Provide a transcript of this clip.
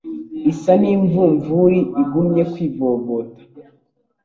Isa n' imvumvuri igumye kwivovota